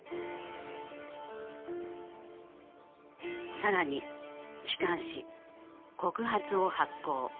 更に機関紙「告発」を発行。